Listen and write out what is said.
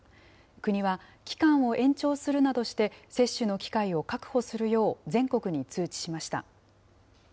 国は、期間を延長するなどして、接種の機会を確保するよう、全国に通知しました。